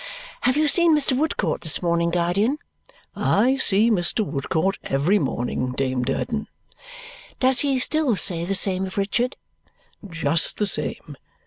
"Have you seen Mr. Woodcourt, this morning, guardian?" "I see Mr. Woodcourt every morning, Dame Durden." "Does he still say the same of Richard?" "Just the same.